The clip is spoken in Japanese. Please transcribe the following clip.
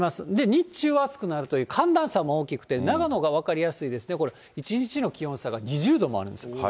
日中は暑くなるという、寒暖差が大きくて、長野が分かりやすいですね、１日の気温差が２０度もあるんです。